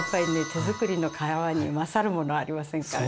手づくりの皮に勝るものありませんからね。